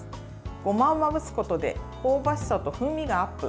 ごまをまぶすことで香ばしさと風味がアップ。